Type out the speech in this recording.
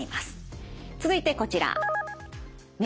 続いてこちら。